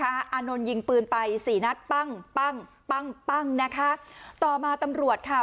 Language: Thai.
อารนท์ยิงปืนไปสี่นัดต่อมาตำรวจค่ะ